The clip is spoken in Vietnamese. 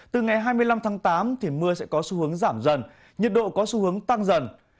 từ ngày hai mươi năm tháng tám thì mưa sẽ có xu hướng giảm dần nhiệt độ có xu hướng tăng dần